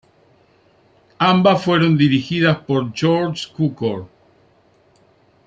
Ambas fueron dirigidas por George Cukor.